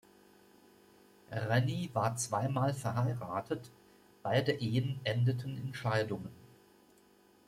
Rennie war zweimal verheiratet, beide Ehen endeten in Scheidungen.